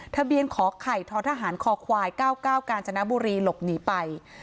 ทะเบียนขอไข่ท้อทหารคอควาย๙๙กาญจนบุรีหลบหนีไป